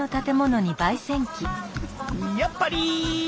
やっぱり！